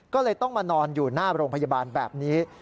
ก็เลยต้องมานอนอยู่หน้าโรงพยาบาลแบบนี้